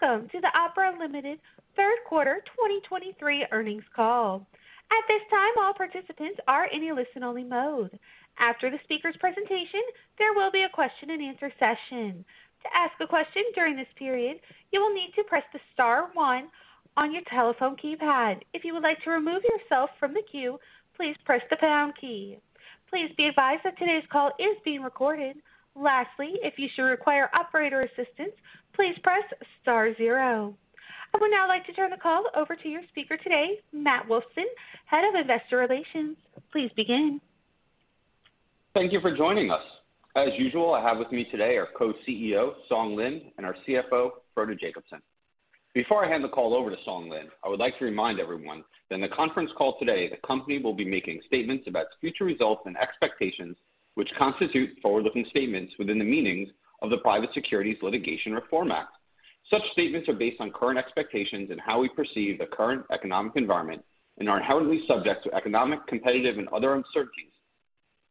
Welcome to the Opera Limited third quarter 2023 earnings call. At this time, all participants are in a listen-only mode. After the speaker's presentation, there will be a question-and-answer session. To ask a question during this period, you will need to press the star one on your telephone keypad. If you would like to remove yourself from the queue, please press the pound key. Please be advised that today's call is being recorded. Lastly, if you should require operator assistance, please press star zero. I would now like to turn the call over to your speaker today, Matt Wolfson, Head of Investor Relations. Please begin. Thank you for joining us. As usual, I have with me today our Co-CEO, Lin Song, and our CFO, Frode Jacobsen. Before I hand the call over to Lin Song, I would like to remind everyone that in the conference call today, the company will be making statements about future results and expectations, which constitute forward-looking statements within the meanings of the Private Securities Litigation Reform Act. Such statements are based on current expectations and how we perceive the current economic environment and are inherently subject to economic, competitive, and other uncertainties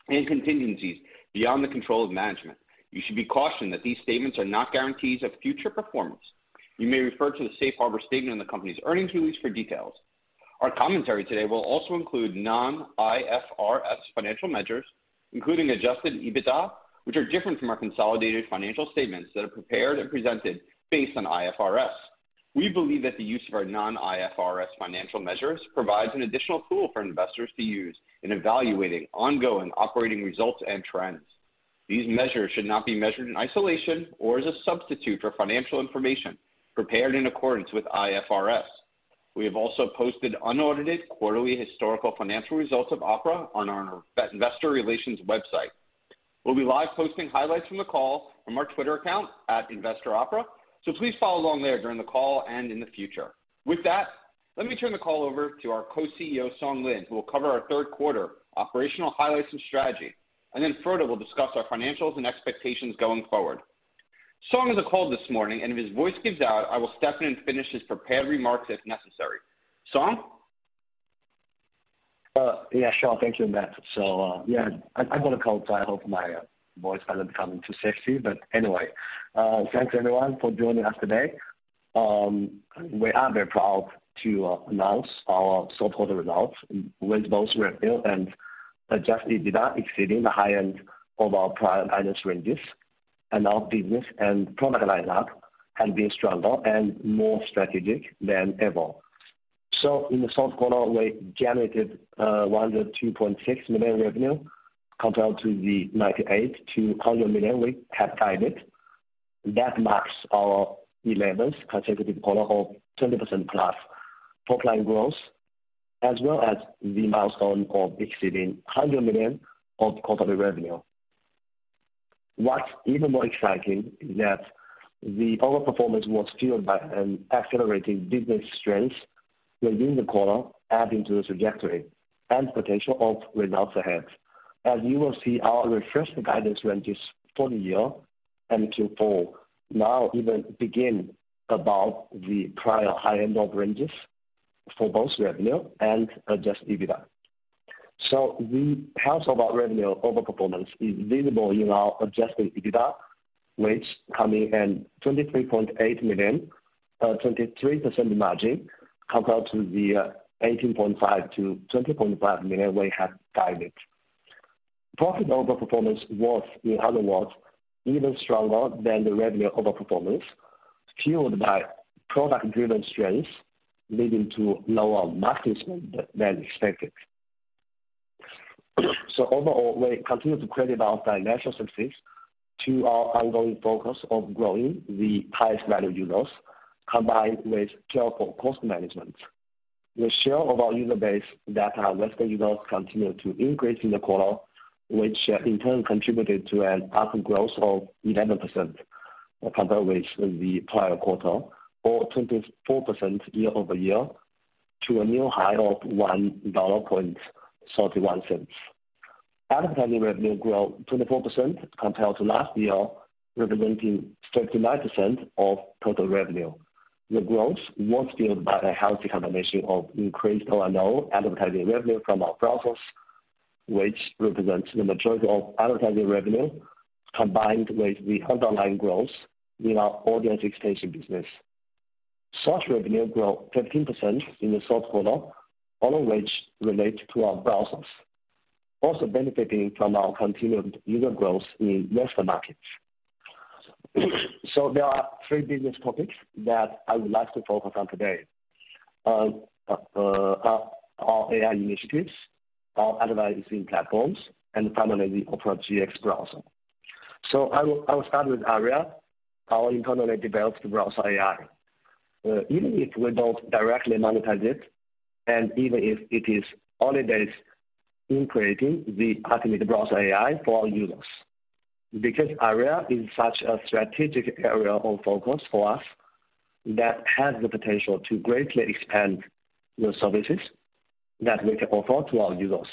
and contingencies beyond the control of management. You should be cautioned that these statements are not guarantees of future performance. You may refer to the safe harbor statement in the company's earnings release for details. Our commentary today will also include non-IFRS financial measures, including adjusted EBITDA, which are different from our consolidated financial statements that are prepared and presented based on IFRS. We believe that the use of our non-IFRS financial measures provides an additional tool for investors to use in evaluating ongoing operating results and trends. These measures should not be measured in isolation or as a substitute for financial information prepared in accordance with IFRS. We have also posted unaudited quarterly historical financial results of Opera on our investor relations website. We'll be live posting highlights from the call from our Twitter account, @investoropera, so please follow along there during the call and in the future. With that, let me turn the call over to our Co-CEO, Lin Song, who will cover our third quarter operational highlights and strategy, and then Frode will discuss our financials and expectations going forward. Song has a cold this morning, and if his voice gives out, I will step in and finish his prepared remarks if necessary. Song? Yeah, sure. Thank you, Matt. So, yeah, I've got a cold, so I hope my voice doesn't become too sexy. But anyway, thanks, everyone, for joining us today. We are very proud to announce our third quarter results, with both revenue and adjusted EBITDA exceeding the high end of our prior guidance ranges and our business and product lineup have been stronger and more strategic than ever. So in the third quarter, we generated $102.6 million revenue, compared to the $98 million-$100 million we had guided. That marks our eleventh consecutive quarter of 20%+ top-line growth, as well as the milestone of exceeding $100 million of quarterly revenue. What's even more exciting is that the overperformance was fueled by an accelerating business strength within the quarter, adding to the trajectory and potential of results ahead. As you will see, our refreshed guidance ranges for the year and Q4 now even begin about the prior high end of ranges for both revenue and adjusted EBITDA. So the health of our revenue overperformance is visible in our adjusted EBITDA, which come in at $23.8 million, 23% margin, compared to the $18.5 million-$20.5 million we had guided. Profit overperformance was, in other words, even stronger than the revenue overperformance, fueled by product-driven strengths, leading to lower marketing than expected. So overall, we continue to credit our financial success to our ongoing focus of growing the highest value users, combined with careful cost management. The share of our user base that our western users continue to increase in the quarter, which in turn contributed to an ARPU growth of 11%, compared with the prior quarter, or 24% year-over-year, to a new high of $1.31. Advertising revenue grew 24% compared to last year, representing 59% of total revenue. The growth was fueled by a healthy combination of increased O&O advertising revenue from our browsers, which represents the majority of advertising revenue, combined with the underlying growth in our organic expansion business. Such revenue grew 13% in the third quarter, all of which relate to our browsers, also benefiting from our continued user growth in western markets. So there are three business topics that I would like to focus on today. Our AI initiatives, our advertising platforms, and finally, the Opera GX browser. So I will start with Aria, our internally developed browser AI. Even if we don't directly monetize it, and even if it is only based in creating the ultimate browser AI for our users, because Aria is such a strategic area of focus for us, that has the potential to greatly expand the services that we can offer to our users.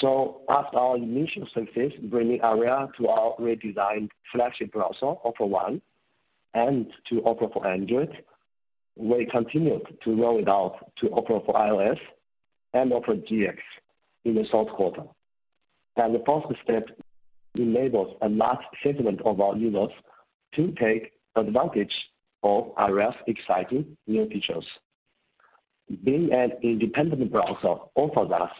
So after our initial success in bringing Aria to our redesigned flagship browser, Opera One, and to Opera for Android, we continued to roll it out to Opera for iOS and Opera GX in the third quarter. The first step enables a large segment of our users to take advantage of Aria's exciting new features. Being an independent browser offers us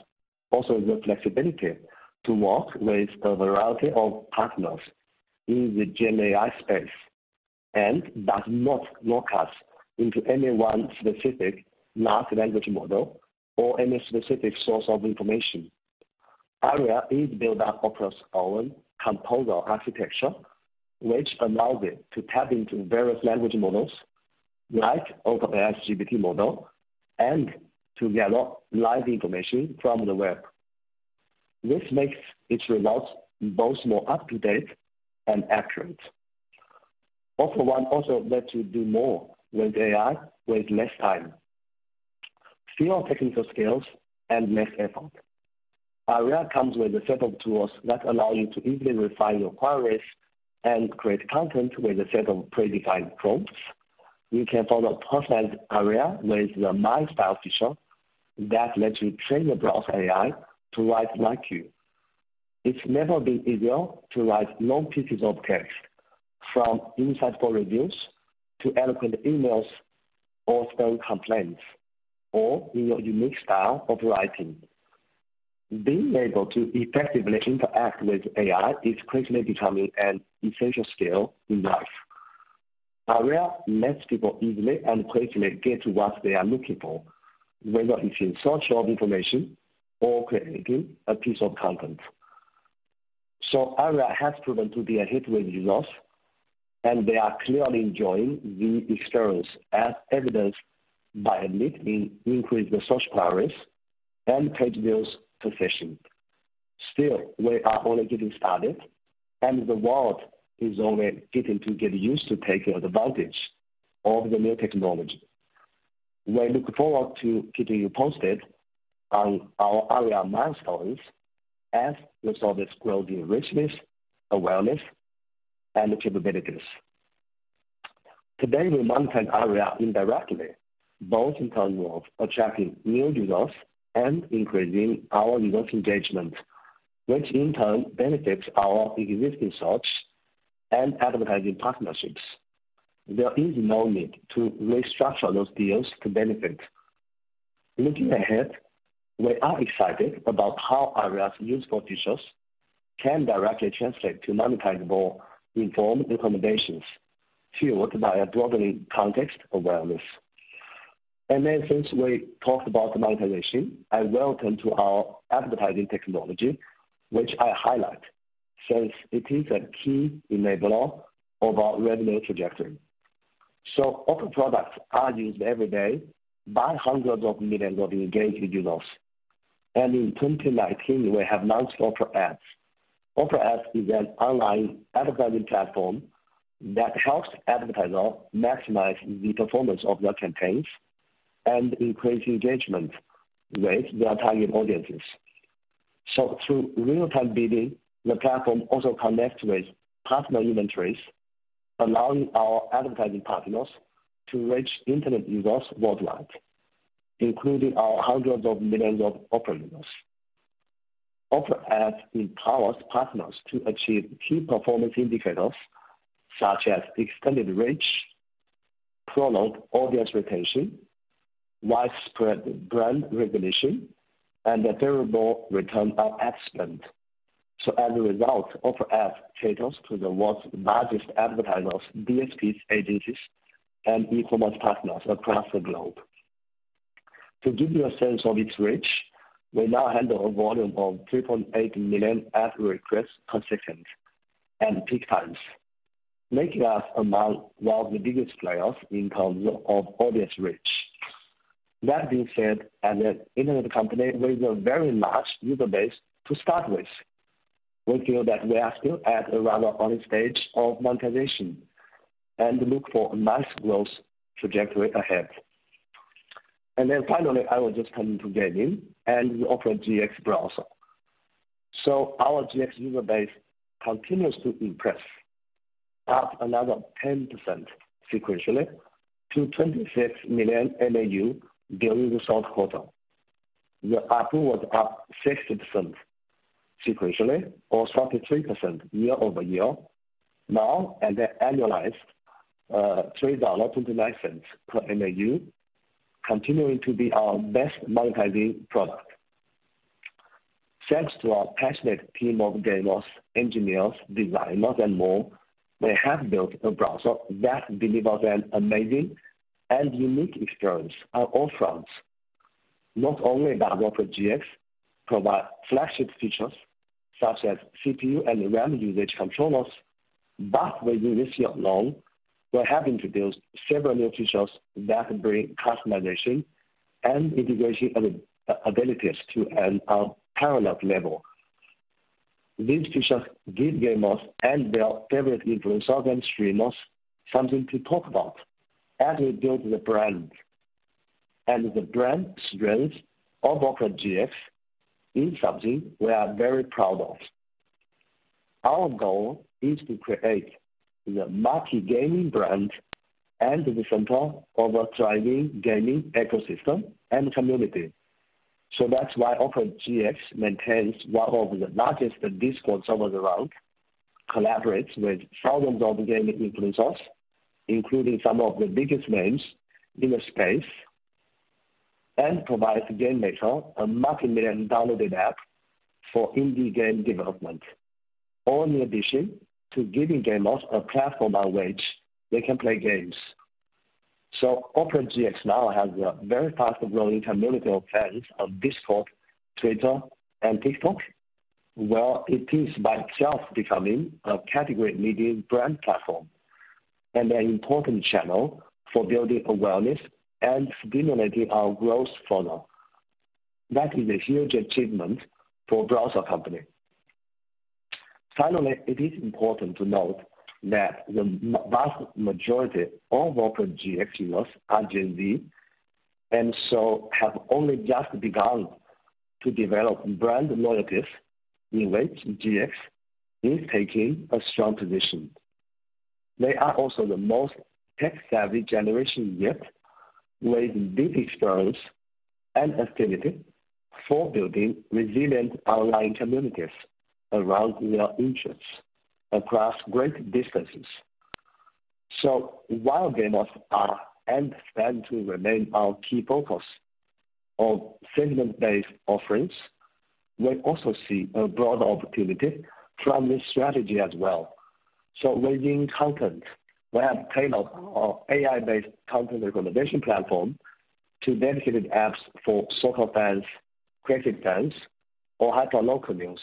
also the flexibility to work with a variety of partners in the GenAI space, and does not lock us into any one specific large language model or any specific source of information. Aria is built on Opera's own composer architecture, which allows it to tap into various language models like OpenAI's GPT model, and to get a lot live information from the web. This makes its results both more up-to-date and accurate. Opera One also lets you do more with AI, with less time, fewer technical skills, and less effort. Aria comes with a set of tools that allow you to easily refine your queries and create content with a set of predefined prompts. You can follow personalized Aria with the My Style feature that lets you train your browser AI to write like you. It's never been easier to write long pieces of text, from insightful reviews to eloquent emails or formal complaints, or in your unique style of writing. Being able to effectively interact with AI is quickly becoming an essential skill in life. Aria lets people easily and quickly get what they are looking for, whether it's in search of information or creating a piece of content. So Aria has proven to be a hit with users, and they are clearly enjoying the experience as evidenced by a net increase in the search queries and page views per session. Still, we are only getting started, and the world is only getting to get used to taking advantage of the new technology. We look forward to keeping you posted on our Aria milestones as we saw this growing richness, awareness, and capabilities. Today, we monetize Aria indirectly, both in terms of attracting new users and increasing our user engagement, which in turn benefits our existing search and advertising partnerships. There is no need to restructure those deals to benefit. Looking ahead, we are excited about how Aria's useful features can directly translate to monetizable, informed recommendations, fueled by a broadening context awareness. And then since we talked about the monetization, I will come to our advertising technology, which I highlight since it is a key enabler of our revenue trajectory. So Opera products are used every day by hundreds of millions of engaged users, and in 2019, we have launched Opera Ads. Opera Ads is an online advertising platform that helps advertisers maximize the performance of their campaigns and increase engagement with their target audiences. So through real-time bidding, the platform also connects with partner inventories, allowing our advertising partners to reach internet users worldwide, including our hundreds of millions of Opera users. Opera Ads empowers partners to achieve key performance indicators such as extended reach, prolonged audience retention, widespread brand recognition, and a favorable return on ad spend. So as a result, Opera Ads caters to the world's largest advertisers, DSPs, agencies, and e-commerce partners across the globe. To give you a sense of its reach, we now handle a volume of 3.8 million ad requests per second at peak times, making us among one of the biggest players in terms of audience reach. That being said, as an internet company with a very large user base to start with, we feel that we are still at a rather early stage of monetization and look for a nice growth trajectory ahead. Then finally, I will just come to gaming and the Opera GX Browser. Our GX user base continues to impress, up another 10% sequentially to 26 million MAU during the fourth quarter. The ARPU was up 60% sequentially or 33% year-over-year, now and then annualized $3.29 per MAU, continuing to be our best monetizing product. Thanks to our passionate team of gamers, engineers, designers, and more, we have built a browser that delivers an amazing and unique experience on all fronts. Not only that Opera GX provide flagship features such as CPU and RAM usage controllers, but we do this year long, we have introduced several new features that bring customization and integration abilities to a parallel level. These features give gamers and their favorite influencers and streamers something to talk about as we build the brand. And the brand strength of Opera GX is something we are very proud of. Our goal is to create the multi-gaming brand and the center of a thriving gaming ecosystem and community. So that's why Opera GX maintains one of the largest Discord communities around, collaborates with thousands of gaming influencers, including some of the biggest names in the space, and provides GameMaker, a multimillion downloaded app for indie game development, all in addition to giving gamers a platform on which they can play games. So Opera GX now has a very fast-growing community of fans on Discord, Twitter, and TikTok, where it is by itself becoming a category media brand platform and an important channel for building awareness and stimulating our growth funnel. That is a huge achievement for a browser company. Finally, it is important to note that the vast majority of Opera GX users are Gen Z, and so have only just begun to develop brand loyalties in which GX is taking a strong position. They are also the most tech-savvy generation yet, with deep experience and activity for building resilient online communities around their interests across great distances. So while gamers are and stand to remain our key focus of segment-based offerings, we also see a broader opportunity from this strategy as well. So within content, we have a panel of AI-based content recommendation platform to dedicated apps for soccer fans, cricket fans, or hyperlocal news.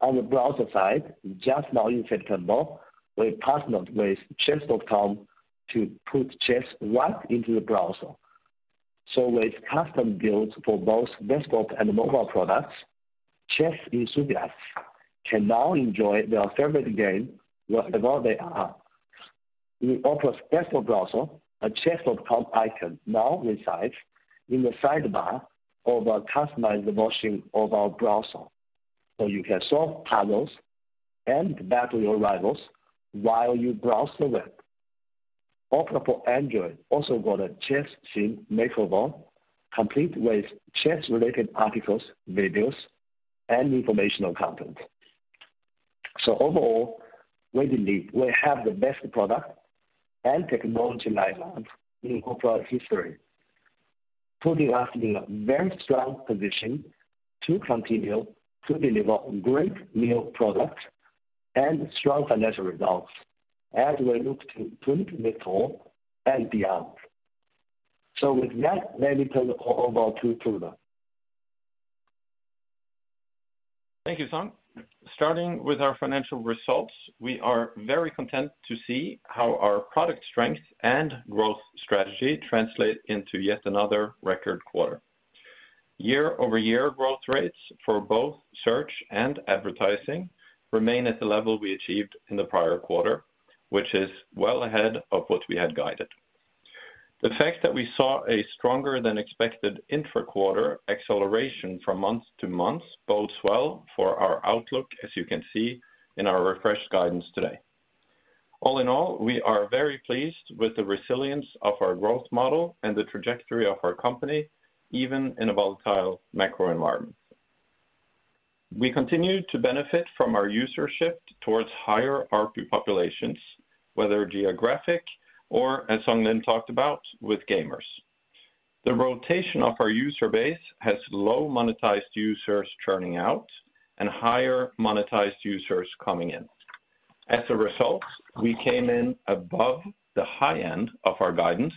On the browser side, just now in September, we partnered with Chess.com to put chess right into the browser. So with custom builds for both desktop and mobile products, chess enthusiasts can now enjoy their favorite game wherever they are. In Opera's desktop browser, a Chess.com icon now resides in the sidebar of a customized version of our browser, so you can solve puzzles and battle your rivals while you browse the web. Opera for Android also got a chess-themed makeover, complete with chess-related articles, videos, and informational content. So overall, we believe we have the best product and technology lineup in Opera's history, putting us in a very strong position to continue to deliver great new products and strong financial results as we look to mid-term and beyond. So with that, let me turn it over to Frode. Thank you, Song. Starting with our financial results, we are very content to see how our product strength and growth strategy translate into yet another record quarter. Year-over-year growth rates for both search and advertising remain at the level we achieved in the prior quarter, which is well ahead of what we had guided. The fact that we saw a stronger than expected intra-quarter acceleration from month-to-month bodes well for our outlook, as you can see in our refreshed guidance today. All in all, we are very pleased with the resilience of our growth model and the trajectory of our company, even in a volatile macro environment. We continue to benefit from our user shift towards higher ARPU populations, whether geographic or, as Song then talked about, with gamers. The rotation of our user base has low monetized users churning out and higher monetized users coming in. As a result, we came in above the high end of our guidance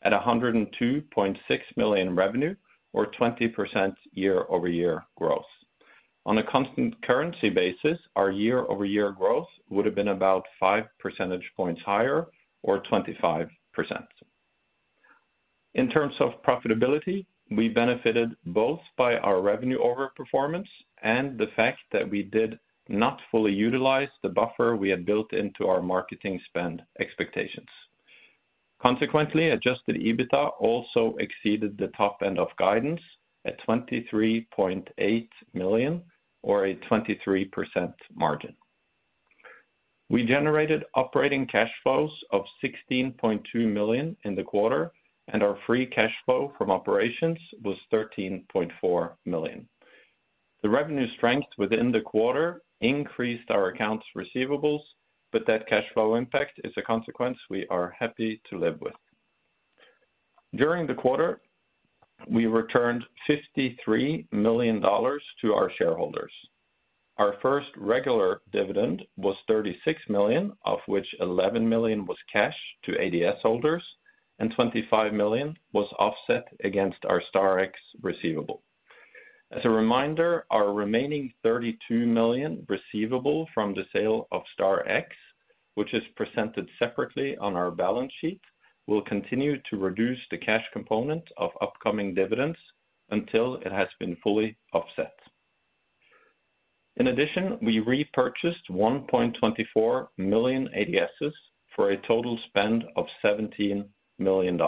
at $102.6 million in revenue or 20% year-over-year growth. On a constant currency basis, our year-over-year growth would have been about 5 percentage points higher or 25%. In terms of profitability, we benefited both by our revenue overperformance and the fact that we did not fully utilize the buffer we had built into our marketing spend expectations. Consequently, adjusted EBITDA also exceeded the top end of guidance at $23.8 million or a 23% margin. We generated operating cash flows of $16.2 million in the quarter, and our free cash flow from operations was $13.4 million. The revenue strength within the quarter increased our accounts receivables, but that cash flow impact is a consequence we are happy to live with. During the quarter, we returned $53 million to our shareholders. Our first regular dividend was $36 million, of which $11 million was cash to ADS holders and $25 million was offset against our Star X receivable. As a reminder, our remaining $32 million receivable from the sale of Star X, which is presented separately on our balance sheet, will continue to reduce the cash component of upcoming dividends until it has been fully offset. In addition, we repurchased 1.24 million ADSs for a total spend of $17 million.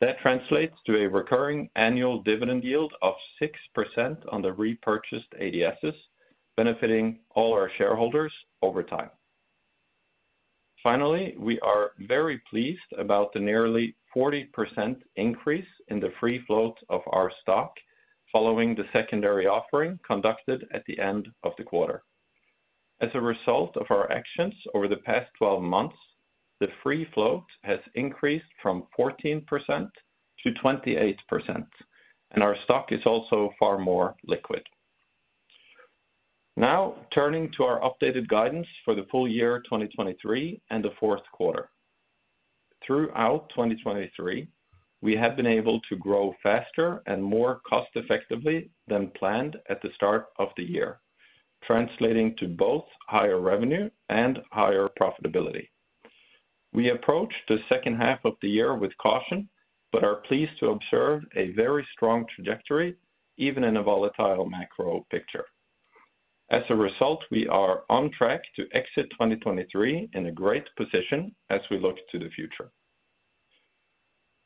That translates to a recurring annual dividend yield of 6% on the repurchased ADSs, benefiting all our shareholders over time. Finally, we are very pleased about the nearly 40% increase in the free float of our stock following the secondary offering conducted at the end of the quarter. As a result of our actions over the past 12 months, the free float has increased from 14% to 28%, and our stock is also far more liquid. Now, turning to our updated guidance for the full year, 2023, and the fourth quarter. Throughout 2023, we have been able to grow faster and more cost-effectively than planned at the start of the year, translating to both higher revenue and higher profitability. We approach the second half of the year with caution, but are pleased to observe a very strong trajectory, even in a volatile macro picture. As a result, we are on track to exit 2023 in a great position as we look to the future.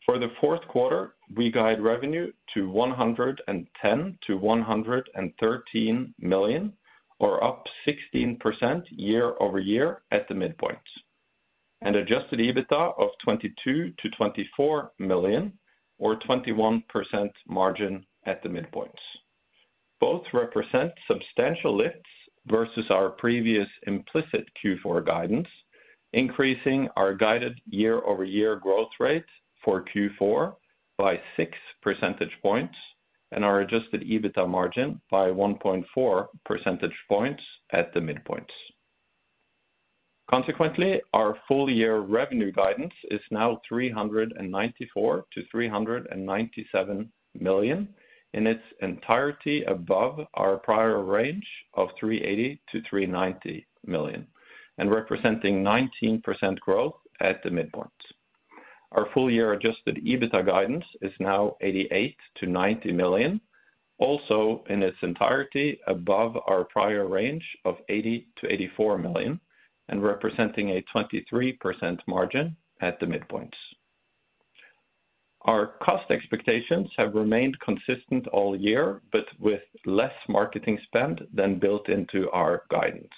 For the fourth quarter, we guide revenue to $110 million-$113 million, or up 16% year-over-year at the midpoint, and adjusted EBITDA of $22 million-$24 million, or 21% margin at the midpoint. Both represent substantial lifts versus our previous implicit Q4 guidance, increasing our guided year-over-year growth rate for Q4 by 6 percentage points and our adjusted EBITDA margin by 1.4 percentage points at the midpoint. Consequently, our full-year revenue guidance is now $394 million-$397 million, in its entirety above our prior range of $380 million-$390 million, and representing 19% growth at the midpoint. Our full-year adjusted EBITDA guidance is now $88 million-$90 million, also in its entirety above our prior range of $80 million-$84 million and representing a 23% margin at the midpoint. Our cost expectations have remained consistent all year, but with less marketing spend than built into our guidance.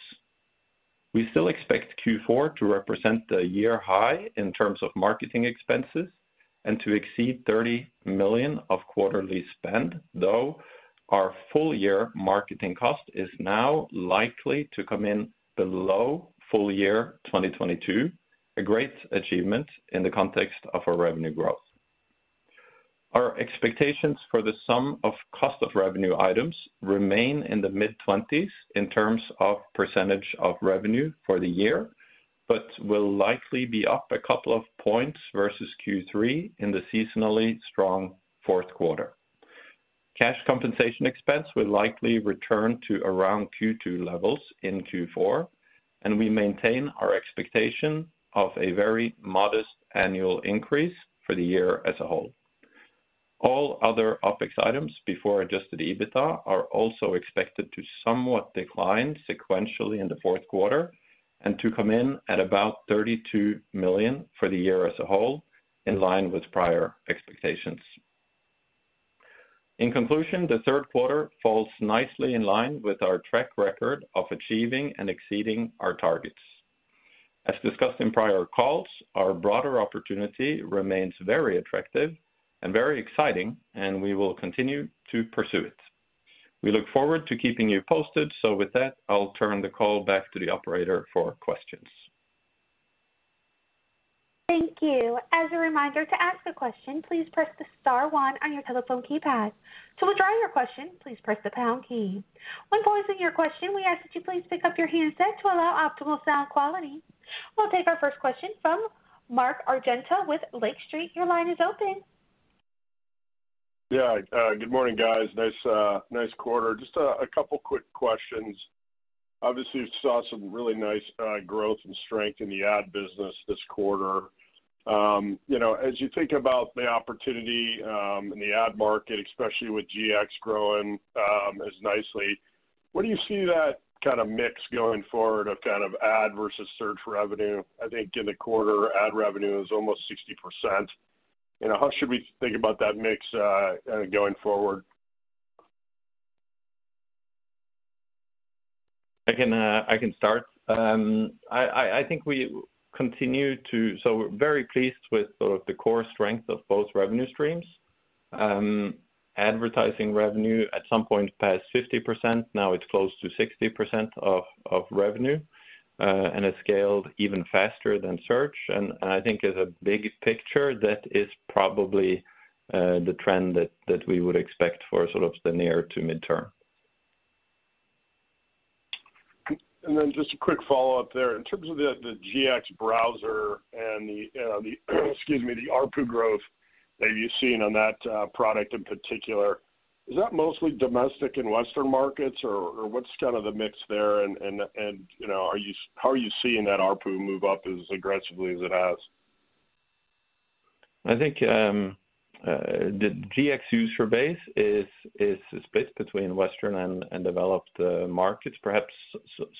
We still expect Q4 to represent the year high in terms of marketing expenses and to exceed $30 million of quarterly spend, though our full-year marketing cost is now likely to come in below full year 2022, a great achievement in the context of our revenue growth. Our expectations for the sum of cost of revenue items remain in the mid-20s% in terms of percentage of revenue for the year, but will likely be up a couple of points versus Q3 in the seasonally strong fourth quarter. Cash compensation expense will likely return to around Q2 levels in Q4, and we maintain our expectation of a very modest annual increase for the year as a whole. All other OpEx items before adjusted EBITDA are also expected to somewhat decline sequentially in the fourth quarter and to come in at about $32 million for the year as a whole, in line with prior expectations. In conclusion, the third quarter falls nicely in line with our track record of achieving and exceeding our targets. As discussed in prior calls, our broader opportunity remains very attractive and very exciting, and we will continue to pursue it. We look forward to keeping you posted. So with that, I'll turn the call back to the operator for questions. Thank you. As a reminder, to ask a question, please press the star one on your telephone keypad. To withdraw your question, please press the pound key. When posing your question, we ask that you please pick up your handset to allow optimal sound quality. We'll take our first question from Mark Argento with Lake Street. Your line is open. Yeah, good morning, guys. Nice, nice quarter. Just a couple of quick questions. Obviously, we saw some really nice growth and strength in the ad business this quarter. You know, as you think about the opportunity in the ad market, especially with GX growing as nicely, where do you see that kind of mix going forward of kind of ad versus search revenue? I think in the quarter, ad revenue is almost 60%. You know, how should we think about that mix going forward? I can start. I think we continue to—so we're very pleased with sort of the core strength of both revenue streams. Advertising revenue at some point passed 50%, now it's close to 60% of revenue, and it's scaled even faster than search. And I think as a big picture, that is probably the trend that we would expect for sort of the near to midterm. Then just a quick follow-up there. In terms of the GX browser and the, excuse me, ARPU growth that you've seen on that product in particular, is that mostly domestic and Western markets, or what's kind of the mix there? And, you know, are you, how are you seeing that ARPU move up as aggressively as it has? I think, the GX user base is based between Western and developed markets, perhaps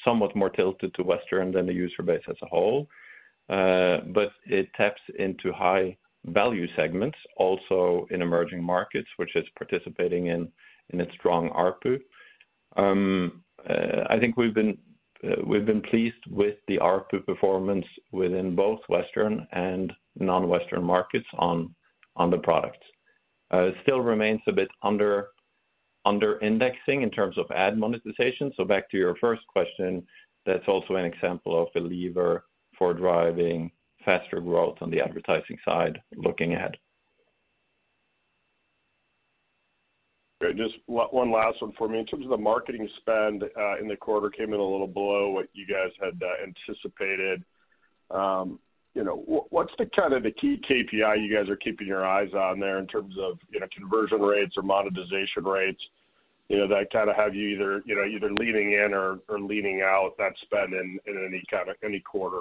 somewhat more tilted to Western than the user base as a whole. But it taps into high value segments, also in emerging markets, which is participating in its strong ARPU. I think we've been pleased with the ARPU performance within both Western and non-Western markets on the products. It still remains a bit under indexing in terms of ad monetization. So back to your first question, that's also an example of a lever for driving faster growth on the advertising side, looking at. Great. Just one last one for me. In terms of the marketing spend, in the quarter, came in a little below what you guys had anticipated. You know, what's the kind of the key KPI you guys are keeping your eyes on there in terms of, you know, conversion rates or monetization rates, you know, that kind of have you either, you know, either leaning in or leaning out that spend in any kind of any quarter?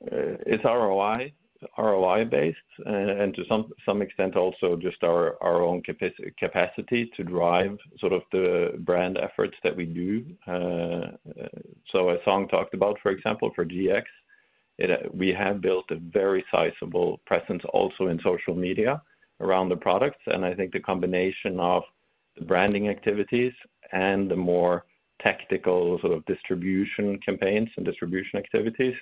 It's ROI, ROI-based, and to some extent, also just our own capacity to drive sort of the brand efforts that we do. So as Song talked about, for example, for GX, we have built a very sizable presence also in social media around the products. And I think the combination of the branding activities and the more tactical sort of distribution campaigns and distribution activities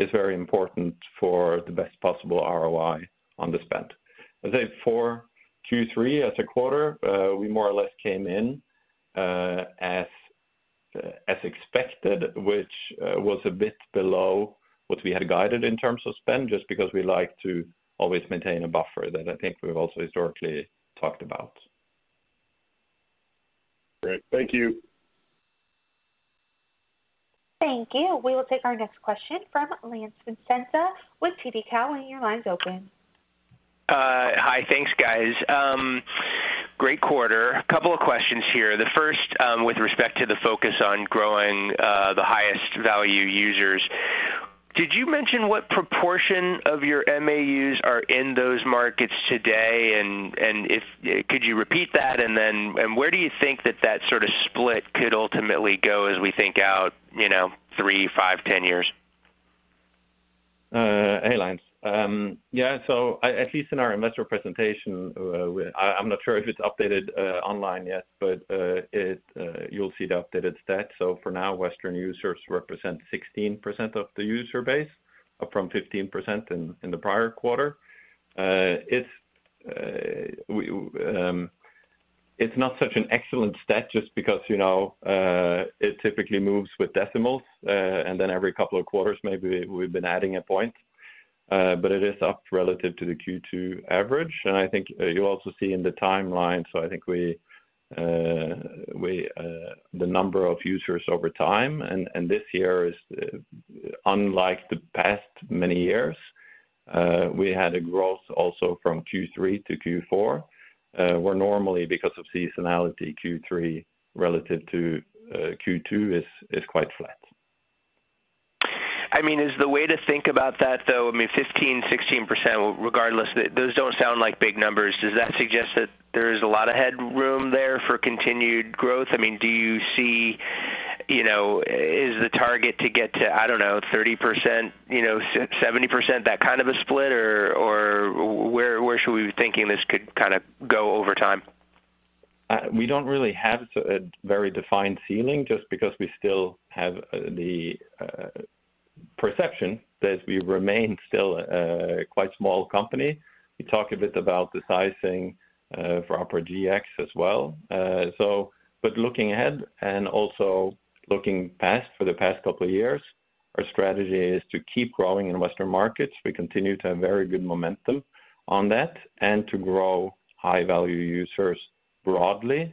is very important for the best possible ROI on the spend. I'd say for Q3, as a quarter, we more or less came in as expected, which was a bit below what we had guided in terms of spend, just because we like to always maintain a buffer that I think we've also historically talked about. Great. Thank you. Thank you. We will take our next question from Lance Vitanza with TD Cowen. Your line's open. Hi. Thanks, guys. Great quarter. A couple of questions here. The first, with respect to the focus on growing, the highest value users. Did you mention what proportion of your MAUs are in those markets today? Could you repeat that? And then, where do you think that that sort of split could ultimately go as we think out, you know, three, five, 10 years? Hey, Lance. Yeah, so I, at least in our investor presentation, I, I'm not sure if it's updated online yet, but, it, you'll see the updated stat. So for now, Western users represent 16% of the user base, up from 15% in, in the prior quarter. It's, we, it's not such an excellent stat just because, you know, it typically moves with decimals, and then every couple of quarters, maybe we've been adding a point, but it is up relative to the Q2 average. I think you also see in the timeline, so I think the number of users over time, and this year is unlike the past many years. We had a growth also from Q3 to Q4, where normally, because of seasonality, Q3 relative to Q2 is quite flat. I mean, is the way to think about that, though, I mean, 15%, 16%, regardless, those don't sound like big numbers. Does that suggest that there's a lot of headroom there for continued growth? I mean, do you see, you know, is the target to get to, I don't know, 30%, you know, seventy percent, that kind of a split, or, or where, where should we be thinking this could kind of go over time? We don't really have a very defined ceiling just because we still have the perception that we remain still a quite small company. We talked a bit about the sizing for Opera GX as well. So but looking ahead and also looking past for the past couple of years, our strategy is to keep growing in Western markets. We continue to have very good momentum on that and to grow high-value users broadly,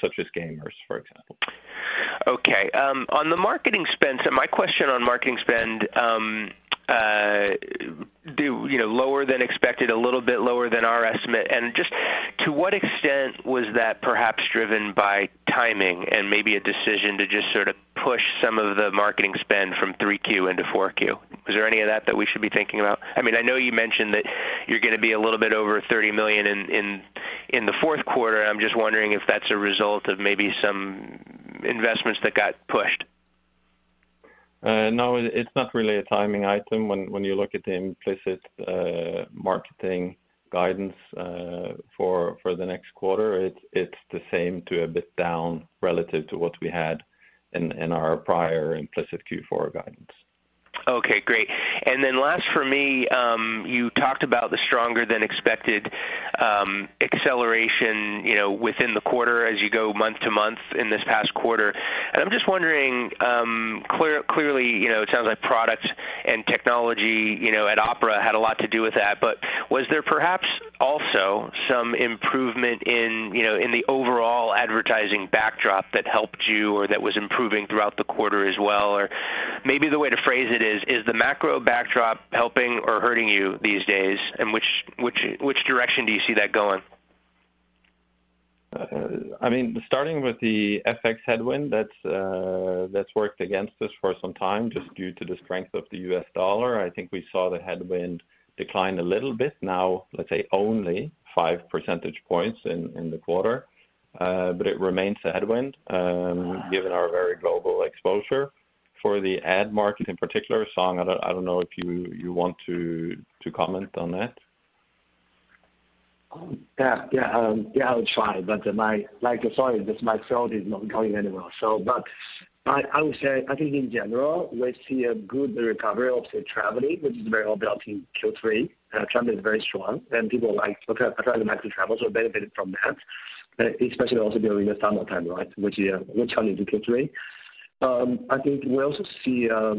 such as gamers, for example. Okay, on the marketing spend, so my question on marketing spend, you know, lower than expected, a little bit lower than our estimate. And just to what extent was that perhaps driven by timing and maybe a decision to just sort of push some of the marketing spend from Q3 into Q4? Is there any of that that we should be thinking about? I mean, I know you mentioned that you're going to be a little bit over $30 million in the fourth quarter. I'm just wondering if that's a result of maybe some investments that got pushed. No, it's not really a timing item. When you look at the implicit marketing guidance for the next quarter, it's the same to a bit down relative to what we had in our prior implicit Q4 guidance. Okay, great. And then last for me, you talked about the stronger than expected acceleration, you know, within the quarter as you go month to month in this past quarter. And I'm just wondering, clearly, you know, it sounds like products and technology, you know, at Opera had a lot to do with that. But was there perhaps also some improvement in, you know, in the overall advertising backdrop that helped you or that was improving throughout the quarter as well? Or maybe the way to phrase it is: Is the macro backdrop helping or hurting you these days, and which, which, which direction do you see that going? I mean, starting with the FX headwind, that's worked against us for some time, just due to the strength of the U.S. dollar. I think we saw the headwind decline a little bit. Now, let's say, only 5 percentage points in the quarter. But it remains a headwind, given our very global exposure. For the ad market, in particular, Song, I don't know if you want to comment on that? Yeah, yeah, yeah, I'll try, but, my, like, sorry, this microphone is not going anywhere. So but I, I would say, I think in general, we see a good recovery of the traveling, which is very obvious in Q3. Travel is very strong, and people like, okay, trying to actually travel, so benefited from that, especially also during the summer time, right? Which, yeah, which turned into Q3. I think we also see a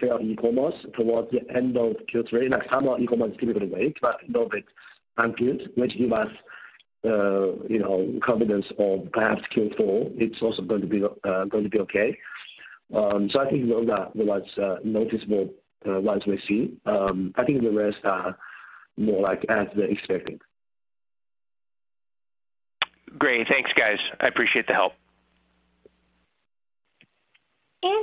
fair e-commerce towards the end of Q3. Like summer, e-commerce is a little bit late, but a little bit upfront, which give us, you know, confidence of perhaps Q4, it's also going to be going to be okay. So I think those are the ones noticeable ones we see. I think the rest are more like as they're expecting. Great. Thanks, guys. I appreciate the help.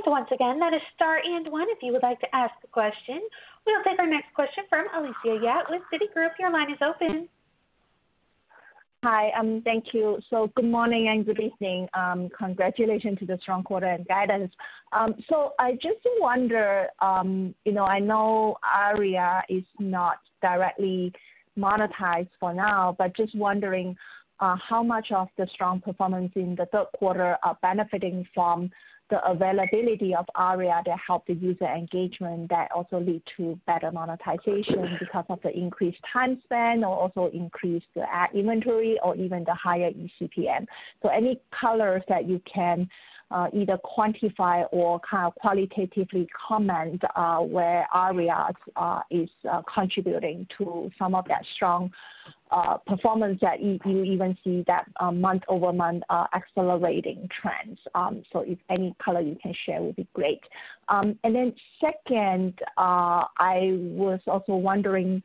Once again, that is star and one, if you would like to ask a question. We'll take our next question from Alicia Yap with Citigroup. Your line is open. Hi, thank you. So good morning and good evening. Congratulations to the strong quarter and guidance. So I just wonder, you know, I know Aria is not directly monetized for now, but just wondering, how much of the strong performance in the third quarter are benefiting from the availability of Aria to help the user engagement that also lead to better monetization because of the increased time spent, or also increased the ad inventory or even the higher ECPM? So any colors that you can, either quantify or kind of qualitatively comment, where Aria is contributing to some of that strong performance that you even see that, month-over-month, accelerating trends. So if any color you can share would be great. Second, I was also wondering,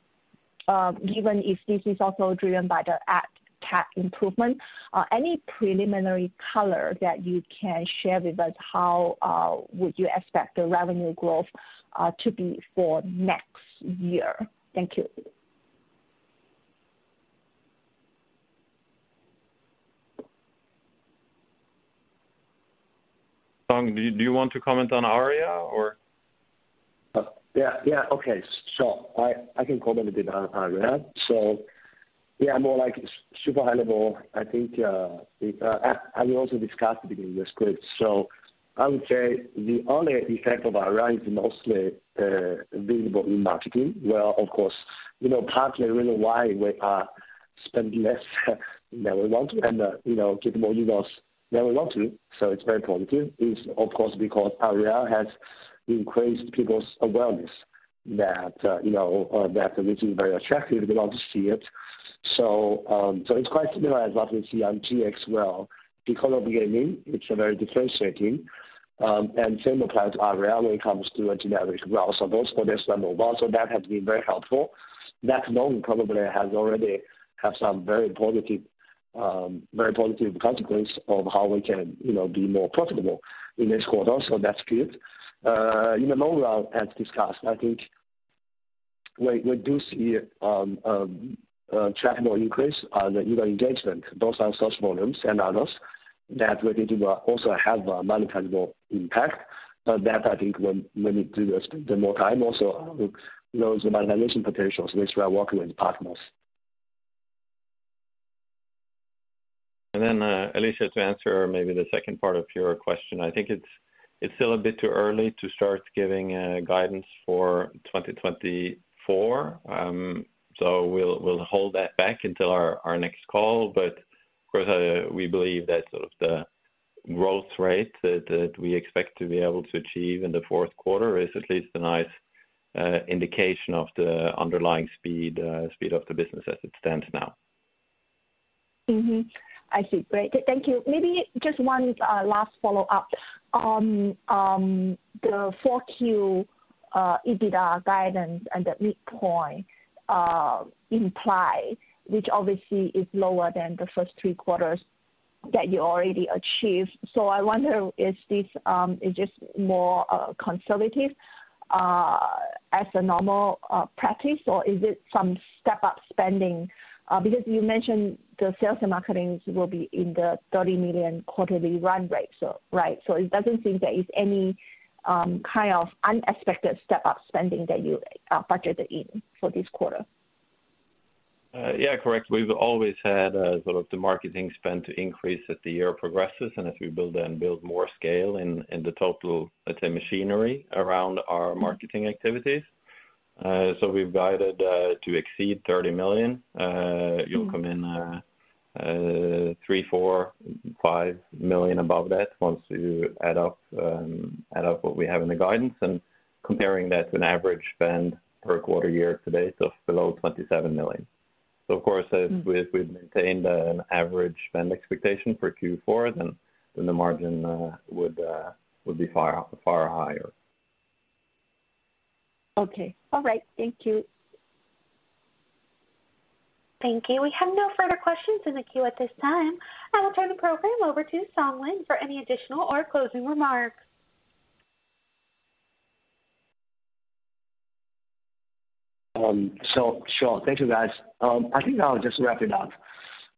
given if this is also driven by the ad tech improvement, any preliminary color that you can share with us, how would you expect the revenue growth to be for next year? Thank you. Song, do you want to comment on Aria, or? Yeah, yeah. Okay. So I can comment a bit on Aria. So, yeah, more like super high level, I think, and we also discussed it in the script. So I would say the only effect of Aria is mostly visible in marketing, where, of course, you know, partly the reason why we are spending less than we want to and, you know, get more users than we want to, so it's very positive. It's of course because Aria has increased people's awareness that, you know, that which is very attractive, they want to see it. So, so it's quite similar as what we see on GX as well. Because of gaming, it's very differentiating. And same applies to Aria when it comes to a generic route. So those for this mobile, so that has been very helpful. That alone probably has already have some very positive, very positive consequence of how we can, you know, be more profitable in this quarter, so that's good. In the long run, as discussed, I think we, we do see, track more increase on the user engagement, both on search volumes and others, that we think will also have a monetizable impact. But that, I think, when, when we do this, the more time also, those monetization potentials, which we are working with partners. And then, Alicia, to answer maybe the second part of your question. I think it's still a bit too early to start giving guidance for 2024. So we'll hold that back until our next call. But of course, we believe that sort of the growth rate that we expect to be able to achieve in the fourth quarter is at least a nice indication of the underlying speed of the business as it stands now. Mm-hmm. I see. Great. Thank you. Maybe just one last follow-up. The Q4 EBITDA guidance and the midpoint imply, which obviously is lower than the first three quarters that you already achieved. So I wonder, is this just more conservative as a normal practice, or is it some step-up spending? Because you mentioned the sales and marketing will be in the $30 million quarterly run rate, so right. So it doesn't seem there is any kind of unexpected step-up spending that you budgeted in for this quarter. Yeah, correct. We've always had sort of the marketing spend to increase as the year progresses and as we build and build more scale in the total, let's say, machinery around our marketing activities. So we've guided to exceed $30 million. It'll come in $3 million-$5 million above that once you add up what we have in the guidance and comparing that to an average spend per quarter year to date, so below $27 million. So of course, if we've maintained an average spend expectation for Q4, then the margin would be far, far higher. Okay. All right. Thank you. Thank you. We have no further questions in the queue at this time. I will turn the program over to Lin Song for any additional or closing remarks. So sure. Thank you, guys. I think I'll just wrap it up.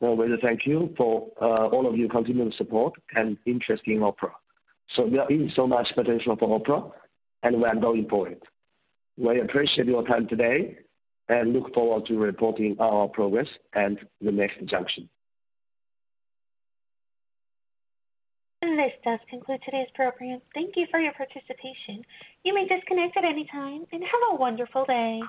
Well, we thank you for all of your continuing support and interest in Opera. So there is so much potential for Opera, and we are going for it. We appreciate your time today, and look forward to reporting our progress at the next quarter. This does conclude today's program. Thank you for your participation. You may disconnect at any time, and have a wonderful day!